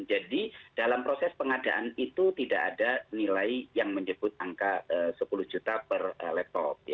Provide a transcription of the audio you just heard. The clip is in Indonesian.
jadi dalam proses pengadaan itu tidak ada nilai yang menyebut angka sepuluh juta per laptop